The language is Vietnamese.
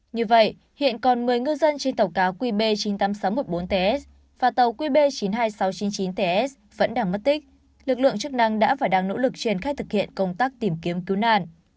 như vậy hiện còn một mươi ngư dân trên tàu cá qb chín mươi tám nghìn sáu trăm một mươi bốn ts và tàu qb chín mươi hai nghìn sáu trăm chín mươi chín ts vẫn đang mất tích lực lượng chức năng đã và đang nỗ lực triển khai thực hiện công tác tìm kiếm cứu nạn